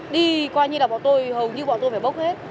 đi coi như là bọn tôi hầu như bọn tôi phải bốc hết